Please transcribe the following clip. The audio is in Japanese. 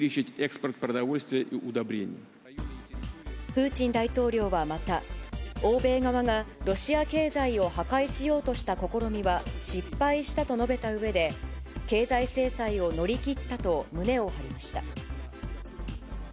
プーチン大統領はまた、欧米側がロシア経済を破壊しようとした試みは失敗したと述べたうえで、経済制裁を乗り切ったと胸を張りました。